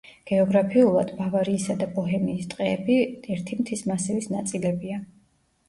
გეოგრაფიულად, ბავარიისა და ბოჰემიის ტყეები ერთი მთის მასივის ნაწილებია.